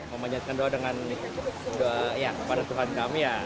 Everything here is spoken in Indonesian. mau menyatakan doa kepada tuhan kami ya